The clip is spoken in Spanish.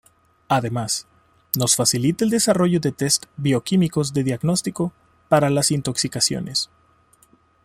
Además, nos facilita el desarrollo de tests bioquímicos de diagnóstico para las intoxicaciones.